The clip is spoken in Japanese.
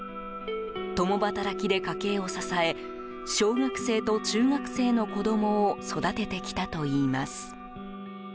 共働きで家計を支え小学生と中学生の子供を育ててきたといいます。